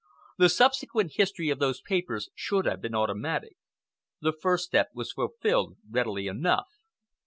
The subsequent history of those papers should have been automatic. The first step was fulfilled readily enough.